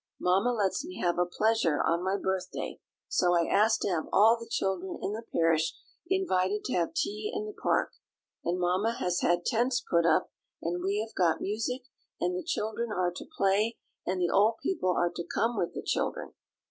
Mamma lets me have a pleasure on my birthday, so I asked to have all the children in the parish invited to have tea in the park; and mamma has had tents put up, and we have got music, and the children are to play, and the old people are to come with the children.